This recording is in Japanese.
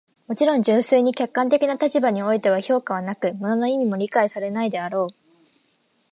もちろん、純粋に客観的な立場においては評価はなく、物の意味も理解されないであろう。